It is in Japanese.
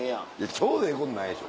ちょうどええことないでしょ。